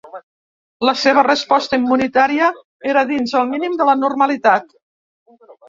La seva resposta immunitària era dins el mínim de la normalitat.